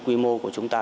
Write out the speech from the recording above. quy mô của chúng ta